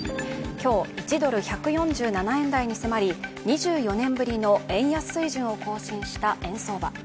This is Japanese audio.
今日、１ドル＝１４７円台に迫り２４年ぶりの円安水準を更新した円相場。